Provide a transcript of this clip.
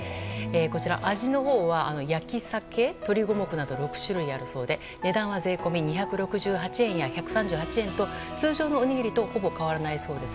こちら、味は焼さけ、鶏五目など６種類あるそうで値段は税込み２６８円や１３８円と通常のおにぎりとほぼ変わらないそうです。